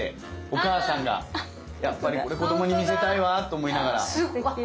お母さんがやっぱりこれ子供に見せたいわと思いながら。